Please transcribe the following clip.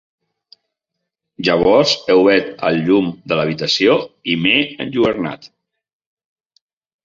Llavors he obert el llum de l'habitació i m'he enlluernat.